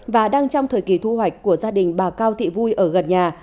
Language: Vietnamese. và đang trong thời kỳ thu hoạch của gia đình bà cao thị vui ở gần nhà